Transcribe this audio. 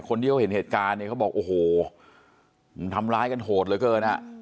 คนที่เขาเห็นเหตุการณ์เนี่ยเขาบอกโอ้โหมันทำร้ายกันโหดเหลือเกินอ่ะ